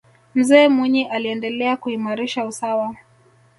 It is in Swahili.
mzee mwinyi aliendelea kuimarisha usawa